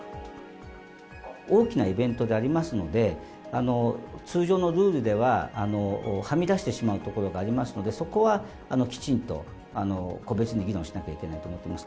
大きなイベントでありますので、通常のルールでははみ出してしまうところがありますので、そこはきちんと個別に議論しなきゃいけないと思ってます。